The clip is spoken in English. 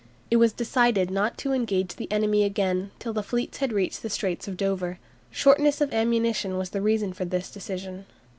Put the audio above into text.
It was decided not to engage the enemy again till the fleets had reached the Straits of Dover. Shortness of ammunition was the reason for this decision.